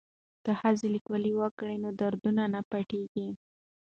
که ښځې لیکوالي وکړي نو درد نه پټیږي.